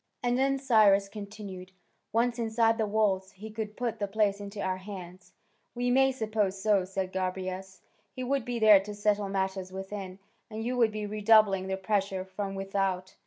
"And then," Cyrus continued, "once inside the walls, he could put the place into our hands?" "We may suppose so," said Gobryas. "He would be there to settle matters within, and you would be redoubling the pressure from without."